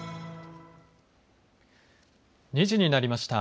２時になりました。